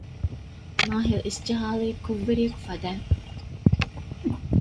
މާހިލް އިސްޖަހާލީ ކުށްވެރިއަކު ފަދައިން